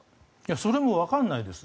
それもわからないです。